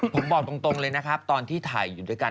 ผมบอกตรงเลยนะครับตอนที่ถ่ายอยู่ด้วยกัน